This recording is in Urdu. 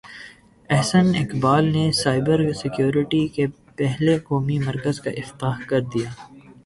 احسن اقبال نے سائبر سیکیورٹی کے پہلے قومی مرکز کا افتتاح کر دیا